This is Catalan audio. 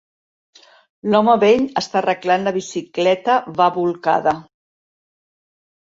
L'home vell està arreglant la bicicleta va bolcada